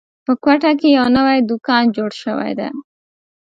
په کوټه کې یو نوی دوکان جوړ شوی ده